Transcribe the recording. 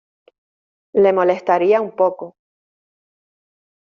Le molestaría un poco.